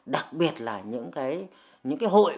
đặc biệt là những cái hội